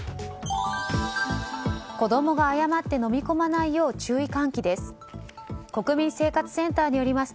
子供が誤って飲み込まないよう注意喚起です。